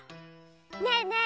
ねえねえ